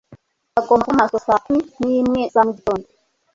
Bagomba kuba maso saa kumi n'imwe za mugitondo.